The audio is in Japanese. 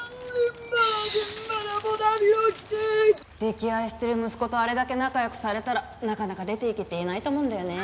溺愛してる息子とあれだけ仲良くされたらなかなか出ていけって言えないと思うんだよね。